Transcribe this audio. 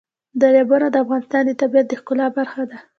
دریابونه د افغانستان د طبیعت د ښکلا برخه ده.